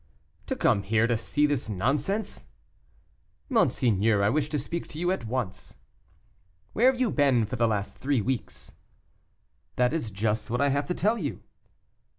"To come here to see this nonsense." "Monseigneur, I wish to speak to you at once." "Where have you been for the last three weeks?" "That is just what I have to tell you."